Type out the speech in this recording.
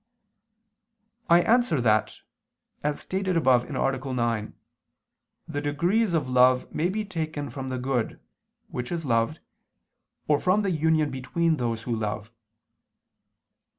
I answer that, As stated above (A. 9), the degrees of love may be taken from the good (which is loved), or from the union between those who love.